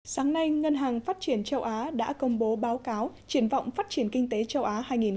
sáng nay ngân hàng phát triển châu á đã công bố báo cáo triển vọng phát triển kinh tế châu á hai nghìn hai mươi